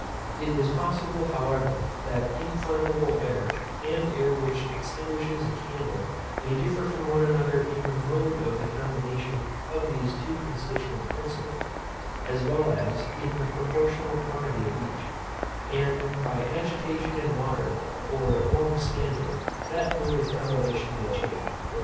It is possible, however, that inflammable air and air which extinguishes a candle may differ from one another in the mode of the combination of these two constituent principles, as well as in the proportional quantity of each; and by agitation in water, or long standing, that mode of combination may change.